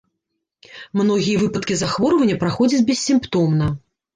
Многія выпадкі захворвання праходзяць бессімптомна.